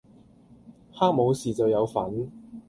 黑武士就有份